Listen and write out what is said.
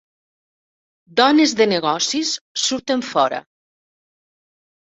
Dones de negocis surten fora